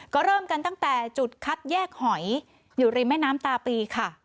ก็เริ่มกันตั้งแต่จุดคัดแยกหอยอยู่ริมแม่น้ำตาปีค่ะ